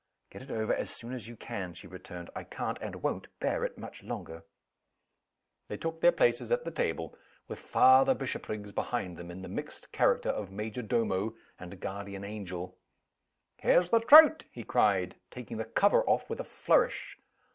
"Get it over as soon as you can," she returned. "I can't, and won't, bear it much longer." They took their places at the table, with Father Bishopriggs behind them, in the mixed character of major domo and guardian angel. "Here's the trout!" he cried, taking the cover off with a flourish.